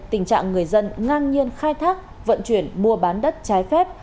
tình trạng người dân ngang nhiên khai thác vận chuyển mua bán đất trái phép